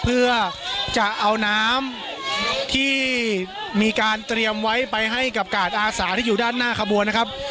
เพื่อจะเอาน้ำที่มีการเตรียมไว้ไปให้กับกาดอาสาที่อยู่ด้านหน้าขบวนนะครับ